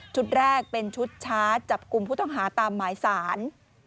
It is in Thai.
แรกเป็นชุดชาร์จจับกลุ่มผู้ต้องหาตามหมายสาร